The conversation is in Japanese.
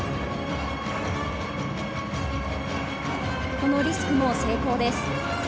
このリスクも成功です。